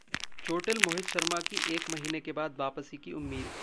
चोटिल मोहित शर्मा की एक महीने के बाद वापसी की उम्मीद